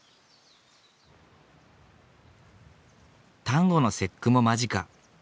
端午の節句も間近。